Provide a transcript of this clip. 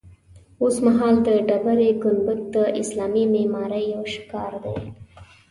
اوسمهال د ډبرې ګنبد د اسلامي معمارۍ یو شهکار دی.